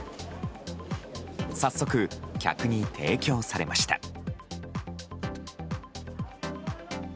早速、客に提供されました。